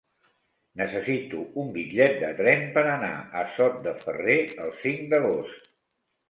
Necessito un bitllet de tren per anar a Sot de Ferrer el cinc d'agost.